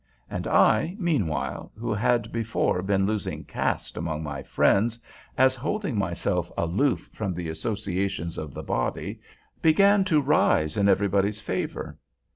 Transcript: And I, meanwhile, who had before been losing caste among my friends, as holding myself aloof from the associations of the body, began to rise in everybody's favor.